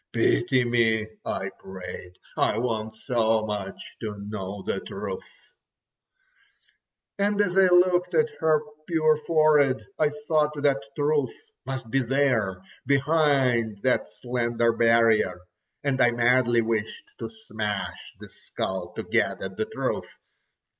"Pity me," I prayed, "I want so much to know the truth." And as I looked at her pure forehead, I thought that truth must be there behind that slender barrier. And I madly wished to smash the skull to get at the truth.